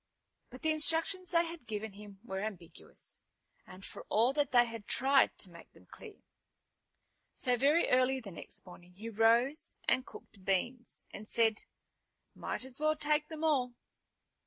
But the instructions they had given him were ambiguous, for all that they had tried to make them clear. So very early the next morning he rose and cooked beans, and said, "Might as well take them all."